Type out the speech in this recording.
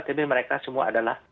tapi mereka semua adalah